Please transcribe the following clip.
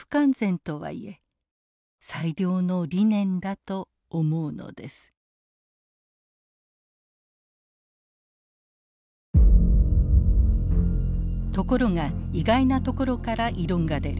ところが意外なところから異論が出る。